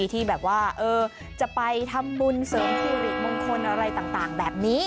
ที่แบบว่าจะไปทำบุญเสริมสิริมงคลอะไรต่างแบบนี้